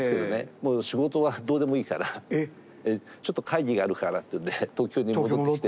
もう仕事はどうでもいいからちょっと会議があるからっていうんで東京に戻ってきて。